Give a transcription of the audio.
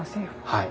はい。